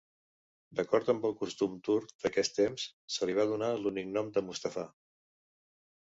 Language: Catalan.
D'acord amb el costum turc d'aquest temps, se li va donar l'únic nom de Mustafà.